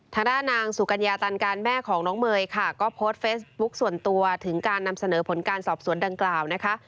ทางด้านนางสุกัญญาตันการแม่ของน้องเมย์ค่ะก็โพสต์เฟซบุ๊คส่วนตัวถึงการนำเสนอผลการสอบสวนดังกล่าวนะคะ